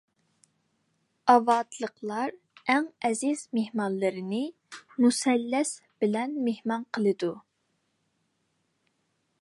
ئاۋاتلىقلار ئەڭ ئەزىز مېھمانلىرىنى مۇسەللەس بىلەن مېھمان قىلىدۇ.